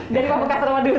dari pamekasan madura